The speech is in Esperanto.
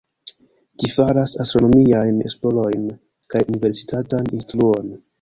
Ĝi faras astronomiajn esplorojn kaj universitatan instruon.